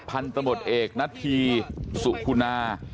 พันธุ์ตำรวจเอกณฑีสุขุนา